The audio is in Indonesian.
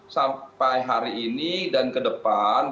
sampai hari ini dan ke depan